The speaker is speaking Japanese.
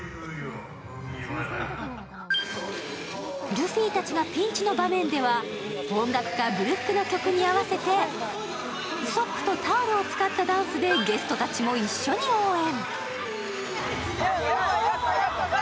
ルフィたちがピンチの場面では音楽家ブルックの曲に合わせてウソップとタオルを使ったダンスでゲストたちも一緒に応援。